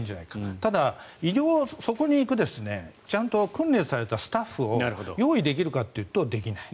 ただそこに行くちゃんと訓練されたスタッフを用意できるかっていうとできない。